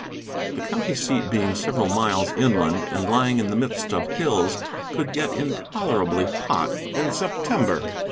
The county seat being several miles inland, and lying in the midst of hills, could get intolerably hot in September.